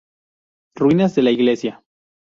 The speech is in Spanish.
Ruinas de la iglesia.